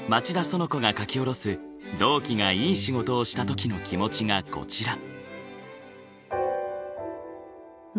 そのこが書き下ろす同期がいい仕事をした時の気持ちがこちら。